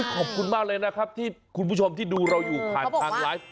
ขอบคุณมากเลยนะครับที่คุณผู้ชมที่ดูเราอยู่ผ่านทางไลฟ์